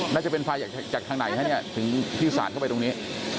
น่าจะเป็นไฟจากทางไหนฮะเนี่ยถึงที่สาดเข้าไปตรงนี้